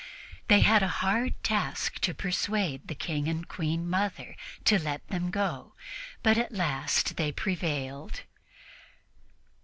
They had a hard task to persuade the King and the Queen Mother to let them go, but at last they prevailed.